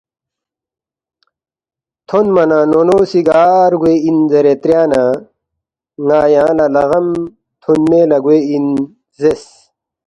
تھونما نہ نونو سی گار گوے اِن زیرے تریا نہ ن٘ا یانگ لہ لغم تُھونمے لہ گوے اِن زیرس